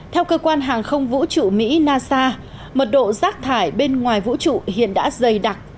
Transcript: theo cơ quan hàng không vũ trụ mỹ nasa mật độ rác thải bên ngoài vũ trụ hiện đã dày đặc